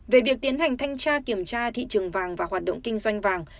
về việc tiến hành thanh tra kiểm tra thị trường vàng và hoạt động kinh doanh vàng